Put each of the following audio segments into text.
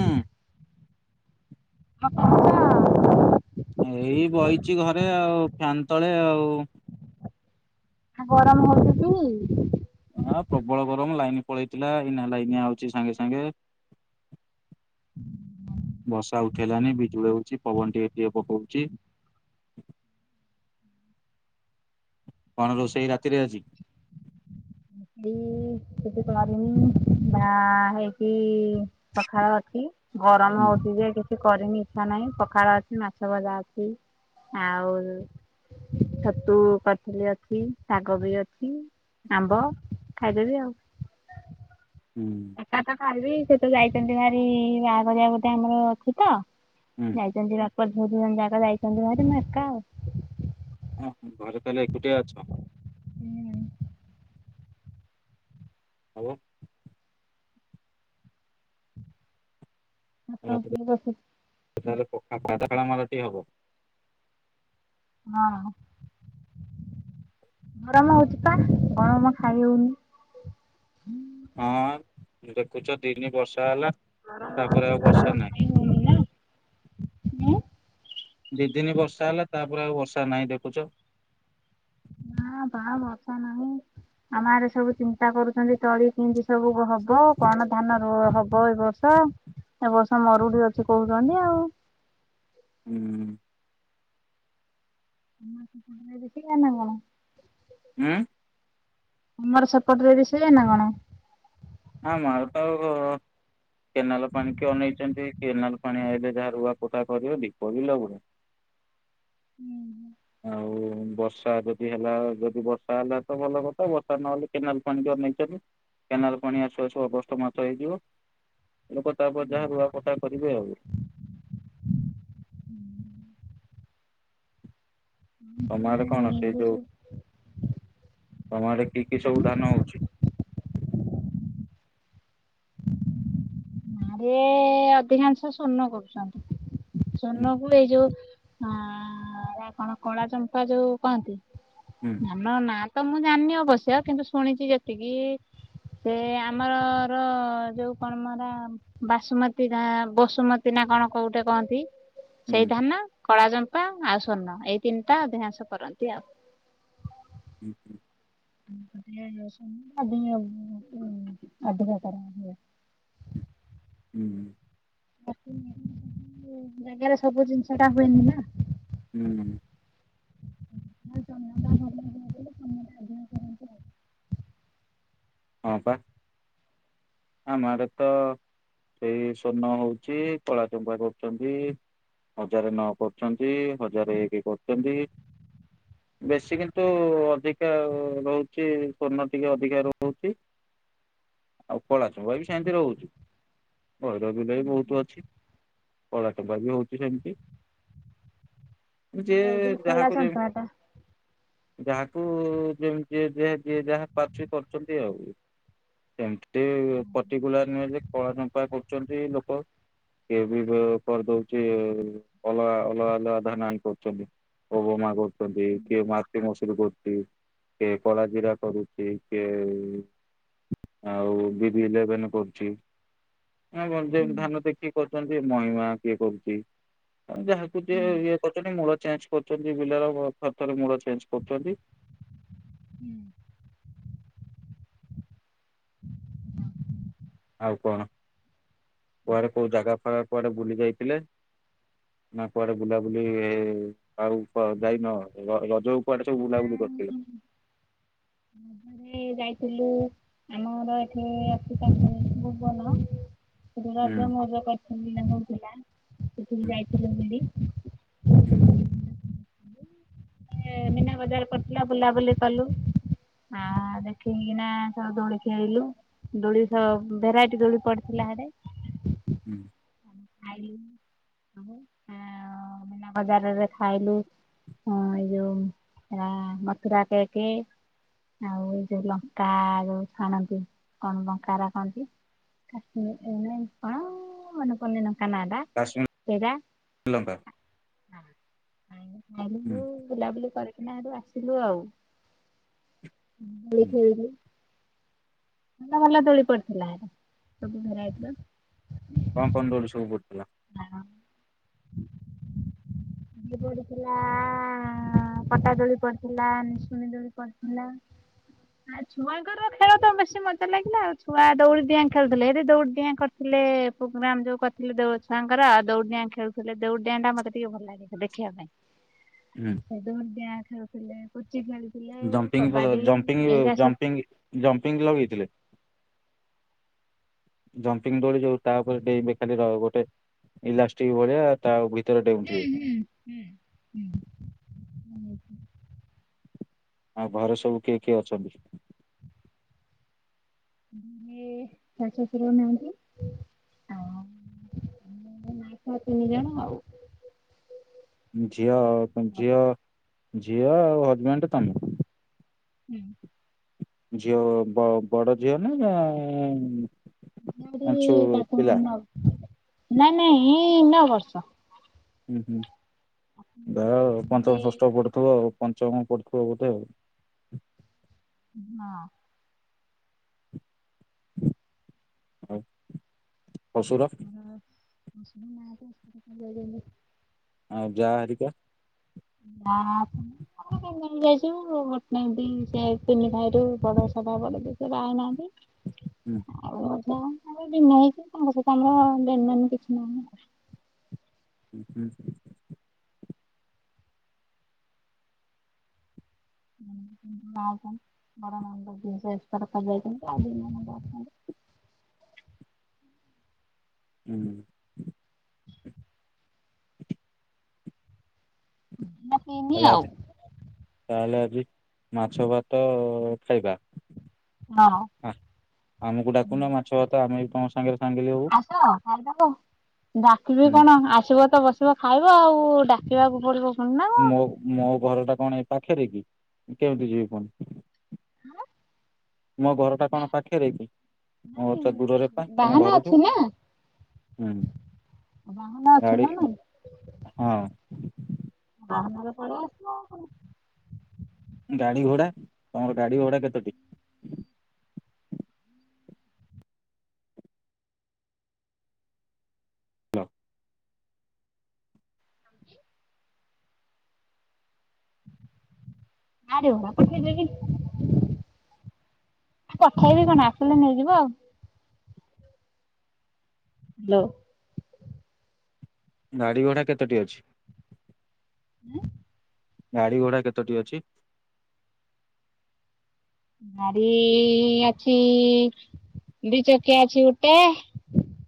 ହୁଁ [unintelligible] ଏଇ ବଇଛି ଘରେ ଆଉ ଫ୍ୟାନ ତଳେ ଆଉ। ଆ ଗରମ ହଉଛି କି। ଆ ପ୍ରବଳ ଗରମ ଲାଇନ ପଳେଇଥିଲା ଏଇନା ଲାଇନ ଆଉଛି ସାଙ୍ଗେ ସାଙ୍ଗେ। ବର୍ଷା ଉଠେଇଲାନି ବିଜୋଳୋ ହଉଛି ପବନ ଟିକେ ଟିକେ ପକଉଛି। କଣ ରୋଷେଇ ରାତିରେ ଆଜି। ହୁଁ। କିଛି କରିନି ନା ହେଇକି ପଖାଳ ଅଛି। ଗରମ ହୁଁ ହଉଚି ଯେକେ। କିଛି କରିନି ଇଚ୍ଛା ନାହିଁ ପଖାଳ ଅଛି ମାଛ ଭଜା ଅଛି ଆଉ। ଛତୁ କରି ଥିଲି ଅଛି ଶାଗ ବି ଅଛି। ଆମ୍ବ ଖାଇଦେବି ଆଉ। ହୁଁ। ଏକା ତ ଖାଇବି ସେ ତ ଯାଇଛନ୍ତି ଭାରି ବାହାଘରି ଆ ଗୋଟେ ଆମର ଅଛି ତ। ହୁଁ। ଯାଇଛନ୍ତି ବାପ, ଝୁଅ ଦି ଜଣ ଯାକ ଯାଇଛନ୍ତି ଭାରି ମୁଁ ଏକା ଆଉ। ଓ ଘରେ ତାହେଲେ ଏକୁଟିଆ ଅଛ। ଉଁ। ହଉ। ଆପଣ ଫୁଲ ଦେଖୁଛୁ। ସେ ତାହେଲେ ପକ୍କା କରଲା ମାଲଟିଏ ହବ। ହଁ। ଗରମ ହଉଛି ପା ଗରମ ଖାଇ ହଉନି। ହଁ ଦେଖୁଛ ଦିନି ବର୍ଷା ହେଲା ତାପରେ ଆଉ ବର୍ଷା ନାହିଁ। ହଉନି ନା ହୁଁ। ଦି ଦିନି ବର୍ଷା ହେଲା ତାପରେ ଆଉ ବର୍ଷା ନାହିଁ ଦେଖୁଛ। ନା ବା ବଷା ନାହିଁ ଆମ ଆଡେ ସବୁ ଚିନ୍ତା କରୁଛନ୍ତି ତଳି କିତି। ସବୁ ହବ କଣ ଧାନ ରୁ ହବ ଏ ବର୍ଷ। ତ ଏ ବର୍ଷ ମରୁଡି ଅଛି କହୁଛନ୍ତି ଆଉ ହୁଁ। ଉଁ ସୁକୁଟିର ଦେଖିଲାଣି ନା କଣ। ଉଁ। ଆମର ସେ ପଟରେ ବି ସେଇଆ ନା କଣ। ଆମ ଆଡେତ ଗୋ। କେନାଲ ପାଣି କି ଅନେଇଛନ୍ତି କେନାଲ ପାଣି ଆଇଲେ ଯାହା ରୁଆ ଫୋତା କରିବ ଦୀପ ବି ଲଗୁଏ। ହୁଁ ହୁଁ। ଆଉ। ବର୍ଷା ଯଦି ହେଲା ଯଦି ବର୍ଷା ହେଲା ତ ଭଲ କଥା ବର୍ଷା ନହେଲେ କେନାଲ ପାଣି କି ଅନେଇଛନ୍ତି। କେନାଲ ପାଣି ଆସୁ ଆସୁ ଅଗ ଷ୍ଟ ମାସ ହେଇଯିବ ଲୋକ ତାପରେ ଯାହା ରୁଆପୋତା କରିବେ ଆଉ। ତମ ଆଡେ କଣ ସେ ଯୋଉ ତମ ଆଡେ କି କି ସବୁ ଧାନ ହୋଉଛି। ଇଏ ଅଧିକାଂଶ ସ୍ୱର୍ଣ୍ଣ କରୁଛନ୍ତି ହୁଁ ସ୍ୱର୍ଣ୍ଣ କୁ ଏଇ ଯୋଉ ହଁ ଏରା କଣ କଳା ଚମ୍ପା ଯୋଉ କହନ୍ତି। ହୁଁ। ଧାନ ନା ତ ମୁଁ ଜାଣିନି ଅବଶ୍ୟ କିନ୍ତୁ ଶୁଣିଚି ଯେତିକି ସେ ଆମରର ଯୋଉ କଣ ମ ହେରା। ବାସୁମତୀ ନା ବସୁମତୀ ନା କଣ କୋଉଠେ କହନ୍ତି ସେଇ ହୁଁ ଧାନ। କଳାଚମ୍ପା ଆଉ ସ୍ଵର୍ଣ୍ଣ ଏଇ ତିନିଟା ଅଧିକାଂଶ କରନ୍ତି ଆଉ। [unintelligible] [unintelligible] ପିଆଜ ରସୁଣ [unintelligible] ଅଧିକ କରାହୁଏ। ହୁଁ। [unintelligible] ଜାଗାରେ ସବୁ ଜିନିଷ ଟା ହୁଏନି ନା। ହୁଁ। ହଁ ପା। ଆମ ଆଡେ ତ ସେଇ ସ୍ୱଣ୍ଣ ହୋଉଚି କଳାଚମ୍ପା କରୁଚନ୍ତି। ହଜାରେ ନଅ କରୁଚନ୍ତି ହଜାରେ ଏକ କରୁଚନ୍ତି। ବେଶୀ କିନ୍ତୁ ଅଧିକା ରହୁଚି ସ୍ୱର୍ଣ୍ଣ ଟିକେ ଅଧିକା ରହୁଚି। କଳାଚମ୍ପା ବି ସେମିତି ରହୁଚି ଗହିର ବିଲ ବି ବହୁତୁ ଅଛି। କଳାଚମ୍ପା ବି ହଉଚି ସେମିତି। ମୁଁ ଏ ଯିଏ ଯୋଉ ଯାହା କଳା କୁ ଯେମି ଚମ୍ପା ଟା। ଯାହାକୁ ଯେମିତି ଯି ଯିଏ ଯିଏ ଯାହା ପାରୁଚି କରୁଚନ୍ତି ଆଉ। ଏମିତି ପଟିକୁଲାର ନୁହେଁ ଯେ କଳାଚମ୍ପା କରୁଚନ୍ତି ଲୋକ। କିଏ ବି କରିଦୋଉଚି ଅଲଗା ଅଲଗା ଅଲଗା ଧାନ ଆଣି କରୁଚନ୍ତି। ଓ ବୋ ମା ଗୋ ଛନ୍ତି କିଏ ମାଟି ମସୁରି କରୁଚି କିଏ କଳା ଜିରା କରୁଚି କିଏ ଆଉ ବି ବି ଇଲେଭେନେ କରୁଚି ଆଉ କଣ ହୁଁ ଯେମିତି ଧାନ ଦେଖି କରୁଚନ୍ତି ମହିମା କିଏ କରୁଚି ଆଉ ଯାହାକୁ ହୁଁ ଯିଏ ଇଏ କରୁଚନ୍ତି ମୂଳ ଚେଞ୍ଜ କରୁଚନ୍ତି ବିଲର ଥରେ ଥରେ ମୂଳ ଚେଞ୍ଜ କରୁଚନ୍ତି। ହୁଁ। ଆଉ କଣ କୁଆଡେ କୋଉ ଜାଗା ଫାଗା କୁଆଡେ ବୁଲି ଯାଇଥିଲେ? ନା କୁଆଡେ ବୁଲାବୁଲି ହେ ଆଉ କୁଆଡେ ଯାଇନ ର ରଜକୁ କୁଆଡେ ସବୁ ବୁଲାବୁଲି କରିଥିଲ? ନାଇଁ ରଜରେ ଯାଇଥିଲୁ ଆମର ଏଠି ଅଛି ପାଖରେ ଭୂବନ। ସେଠି ହୁଁ ରଜ ମଉଜ କରିଚନ୍ତି ତାଙ୍କ ପିଲା ସେଠିକି ହୁଁ ଯାଇଥିଲୁ ବୁଲି। ହୁଁ। ଏ ମୀନା ବଜାର ପଡିଥିଲା ବୁଲାବୁଲି କଲୁ। ଆ ଦେଖିକିନା ସେ ଦୋଳିି ଖେଳିଲୁ। ଦୋଳି ସବ ଭେରାଇଟି ଦୋଳି ପଡିଥିଲା ହେଟେ। ହୁଁ। [unintelligible] ମୀନା ବଜାରରେ ଖାଇଲୁ ହଁ ଏଇ ଯୋଉ ହେରା ମଥୁରା କେକ୍। ଆଉ ଏଇ ଯୋଉ ଲଙ୍କା ଯୋଉ ଛାଣନ୍ତି କଣ ଲଙ୍କାଅରା କହନ୍ତି? କାଶ୍ମୀର ଏ ନାଇଁ କଣ? କନି ନଙ୍କା ନା ଟା କାଶ୍ମୀର ସେରା ଶ୍ରୀଲଙ୍କା ଆଇଲୁ ହୁଁ ଖାଇଲୁ ବୁଲାବୁଲି କରିକିନା ହେଟୁ ଆସିଲୁ ଆଉ। ଦୋଳି ହୁଁ ଖେଳିଳୁ ଭଲ ଭଲ ଦୋଳି ପଡିଥିଲା ସବୁ ଭେରାଇଟର। କଣ କଣ ଦୋଳି ସବୁ ପଡ଼ିଥିଲା? ଦୋଳି ପଡିଥିଲା ଆ ପଟା ଦୋଳି ପଡିଥିଲା ନିସୁନି ଦୋଳି ପଡିଥି ପଡିଥିଲା [unintelligible] ଆଉ ଛୁଆଙ୍କର ଖେଳ ତ ବେଶୀ ମଜା ଲାଗିଲା ଆଉ ଛୁଆ ଦୌଡିି ଡିଆଁ ଖେଳୁଥିଲେ ଏଠି ଦୌଡି ଦିଆଁ ଖେ ଥିଲେ ପ୍ରୋଗ୍ରାମ ଯୋଉ କରିଥିଲେ ଦେଉଳ ଛ। ତାଙ୍କର ଆ ଦୌଡ଼ି ଡିଆଁ ଖେଳୁଥିଲେ ଦୌଡ଼ି ଡିଆଁ ଟା ମୋତେ ଟିକେ ଭଲ ଲାଗେ ଦେଖିବା ପାଇଁ। ହୁଁ ସେ ଦୌଡିଡିଆଁ ଖେଳୁଥିଲେ ପୁଚି ଖେଳୁ ଜମ୍ପିିଙ୍ଗ ବ ଜମ୍ପିଂଙ୍ଗ ଅ ଜମ୍ପିଙ୍ଗ ଜମ୍ପିଙ୍ଗ ଲଗେଇଥିଲେ। ଜମ୍ପିଙ୍ଗ ଦୋଳି ଯୋଉ ତାପରେ ଡେଇଁବେ ଖାଲି ର ଗୋଟେ ଇଲାଷ୍ଟିକ ଭଳିଆ। ତା ଭିତରେ ଡେଉଁଚି। ହୁଁ [inaudible] ଆଉ ଘରେ ସବୁ କିଏ କିଏ ଅଛନ୍ତି? ଇଏ ଶାଶୁ ଶଶୁର ନାହାନ୍ତି ଆଉ [inaudible] ମା ଛୁଆ ତିନି ଜଣ ଆଉ। ଝିଅ ଝିଅ ଝିଅ ଆଉ ହଜବେଣ୍ଡ ତମେ। ହୁଁ। ଝିଅ ବ ବଡ ଝିଅ ନା ଆଉ? ନାଇଁ ନାଇଁ ନଅ ବର୍ଷ। ହୁଁ ହୁଁ ଯା ହଉ ପଞ୍ଚମ, ଯେ ଷଷ୍ଠ ପଢୁଥିବ ଆଉ ପଞ୍ଚମ ପଡୁଥିବ ବୋଧେ ଆଉ? ଘ୍ନ ଅସୁର [inaudible] ଆଉ ଯା ହେରିକା? ନା [inaudible] [unintelligible] ଯାଇଚୁ ବଟ ନେ ଏମତି ସେ ତିନି ଭାଇରୁ ବଡ ସଭା ବଡ ଯିଏ ସେ ବାହା ହେଇନାହାନ୍ତି। ହୁଁ ଆଉ କ ଭିନେ ହେଇଚୁ ତାଙ୍କ ସହିତ ଆମର ଲେନ ଦେନ କିଛି ନାହିଁ। [inaudible] ମା ଆଛନ୍ତି ବଡ ନଣନ୍ଦ ଯିଏ ଏକ୍ସପାଡ କରିଯାଇଛନ୍ତି ଆଉ ଦି ନଣନ୍ଦ ଅଛନ୍ତି। ହୁଁ। [inaudible] ହେଲା ଆଉ ଆଜି ତାହେଲେ ଆଜି ମାଛ ଭାତ ଖାଇବା। ହଁ। ହ ଆମକୁ ଡାକୁନ ମାଛ ଭାତ ଆମେ ବି ତମ ସାଙ୍ଗରେ ସାଙ୍ଗିଲି ହବୁ। ହଁ ଖାଇଦବ ଡାକିବି ହୁଁ କଣ ଆ ଥୂବ ତ ବସିବ ଖାଇବ ଆଉ ଡାକିବାକୁ ପଡିବ ପୁଣି ନା। କଣ? ମୋ ମୋ ଘର ଟା କଣ ଏ ପାଖରେ କି କେମିତି ଯିବି ପୁଣି। ହଁ? ମୋ ଘରଟା କଣ ନା ପାଖରେ କି? ମୋର ତ ଦୂରରେ ପା ନାଇଁ ତମ ବାହାନା ଘରଠୁ ଅଛି ନା। ବାହାନ ଅଛି ଗାଡି ନା ନାଇଁ? ହଁ। ବାହାନା ରେ ପଳେଇଆସିବ ଆଉ କଣ। ଗାଡି ଘୋଡା ତମର ଗାଡି ଘୋଡା କେତୋଟି? ହାଲୋ। ଆରୋ [unintelligible] କଥା ହେବି କଣ ଆସିଲେ ନେଇଯିବ ଆଉ। ହ୍ୟାଲୋ। ଗାଡି ଭଡା କେତୋଟି ଅଛି? ଏଁ ଗାଡି ଘୋଡା କେତୋଟି ଅଛି? ଗାଡି ଅଛି ଦି ଚକିଆ ଅଛି ଗୋଟେ।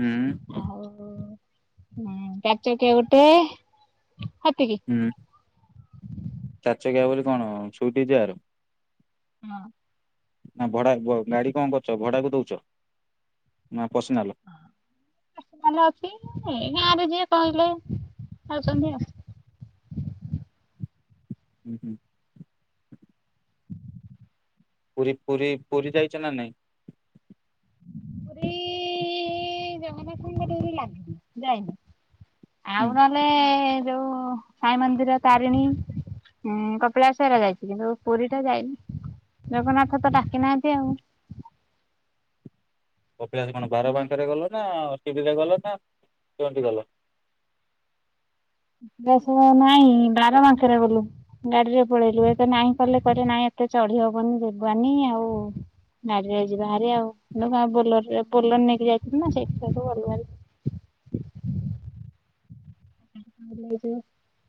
ହୁଁ। ଆଉ ଚାରିଚକିଆ ଗୋଟେ ହେତିକି। ହୁଁ ଚାରିଚକିଆ ବୋଲି କଣ ସୁଇଟ ଯାର? ହଁ। ନା ଭଡା ଗାଡି କଣ କରୁଛ ଭଡାକୁ ଦଉଛ ନା ପସିିନାଲ? ଅଛି ଭଲ ଅଛି ଏ ଗାଁରେ ଯିଏ କହିଲେ ଆଉଛନ୍ତି ଆଉ। ହୁଁ ହୁଁ। ପୁରୀ ପୁରୀ ପୁରୀ ଯାଇଛ ନା ନାଇଁ? ପୁରୀ ଜଗନ୍ନାଥଙ୍କ ଡୋରି ଲାଗିନି ଯାଇନି। ଆଉ ନହେଲେ ଯୋଉ ସାଇ ମନ୍ଦିର ତାରିଣୀ ହୁଁ କପିଳାଶ ଯାଇଛି କିନ୍ତୁ ପୁରୀ ଟା ଯାଇନି ଜଗନ୍ନାଥ ତ ଡାକି ନାହାନ୍ତି ଆଉ। ଅଭ୍ୟାସ କଣ ବାର ଆମେ ବାରବଙ୍କାରେ ଗଲ ନା ଟିଭିରେ ଗଲ ନା କେମିତି ଗଲ? ବସମା ନାଇଁ ବାର ବାଙ୍କରେ ଗଲୁ। ଗାଡିରେ ପଳେଇଲୁ ଏତ ନାଇଁ କଲେ କରେ ନାହିଁ ଏତେ ଚଢି ହବନି ଯିବାନି ଆଉ ଗାଡ଼ିରେ ଯିବାହାରି ଆଉ ବୋଲରରେ ବୋଲର ନେଇକି ଯାଇଥିଲ ନା ସେଇଠୁ ସେଇଠୁ ଗଲୁହାରୀ। ତାପରେ ହେଟୁ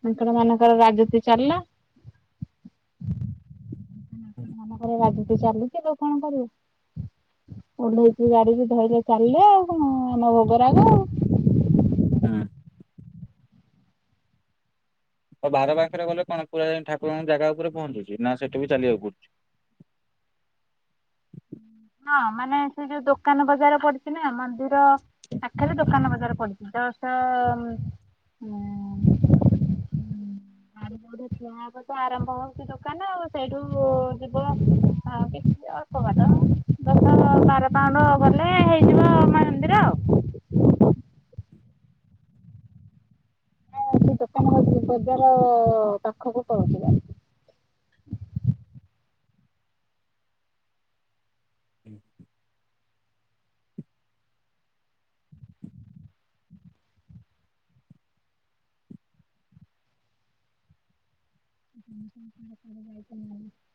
ମାଙ୍କଡ ମାନଙ୍କର ରାଜୁତି ଚାଲିଲା। ମାନଙ୍କର ରାଜୁତି ଚାଲୁଚି କଣ କରିବୁ। ଓ଼ହେଇଲେଚୁ ଗାଡିରୁ ଧଇଲେ ଚାଲିଲେ ଆଉ କଣ ଆମ ଭୋଗ ରାଗ। ହୁଁ। ଆଉ ବାର ବାଙ୍କରେ ଗଲେ କଣ ପୁରା ଯାଇ ଠାକୁରଙ୍କ ଜାଗା ଉପରେ ପହଞ୍ଚୁଛି ନା ସେଠି ବି ଚାଲିବାକୁ ପଡୁଛି? ହୁଁ। ହଁ ମାନେ ସେ ଯୋଉ ଦୋକାନ ବଜାର ପଡିଛି ନା ମନ୍ଦିର ପାଖରେ ଦୋକାନ ବଜାର ପଡିଛି। ତ [unintelligible] ତ ଆରମ୍ଭ ହଉଛି ଦୋକାନ ଆଉ ସେଇଠୁ ଯିବ ଆ କିଛି ଅଳ୍ପ ବାଟ। ଦଶ ବାର ପାଉଣ୍ଡ ଗଲେ ହେଇଯିବ ମା ମନ୍ଦିର ହଁ ସେ ଦୋକାନ ହଉଛି ବଜାର ପାଖକୁ ପଳଉଥିଲା। ହୁଁ। [unintelligible]